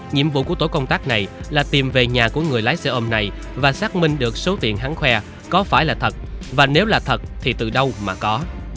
nhiệm vụ của tổ công tác này là tìm về nhà của người lái xe ôm này và xác minh được số tiền hắn khoe có phải là thật và nếu là thật thì từ đâu mà có